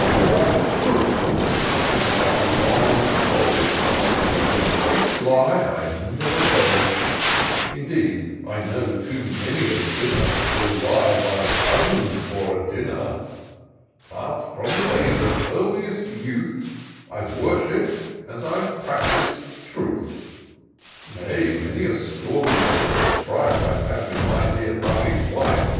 For TRUTH I'm like a lion bold ; And a base lie "I never told : Indeed, I know too many a sinner Will lie by dozens for a dinner ; But, from the days of earliest youth, I've worshipp'd, as I've practis'd, truth : I 166 TOUR OF DOCTOR SYNTAX Nay, many a stormy, bitter strife I've had with my dear, loving wife.